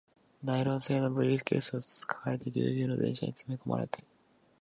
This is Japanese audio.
ナイロン製のブリーフケースを抱えて、ギュウギュウの電車に詰め込まれて